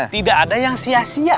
tidak ada yang sia sia